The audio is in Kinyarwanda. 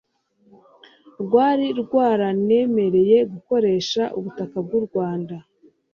rwari rwaranemereye gukoresha ubutaka bw'u Rwanda